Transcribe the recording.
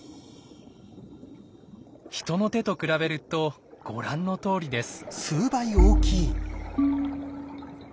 人の手と比べるとご覧のとおりです。